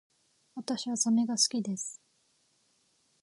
私はサメが好きです